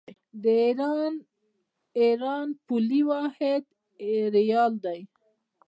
د ایران پولي واحد ریال دی.